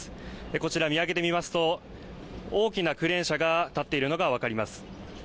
こちら見上げてみますと大きなクレーン車が立っているのが分かります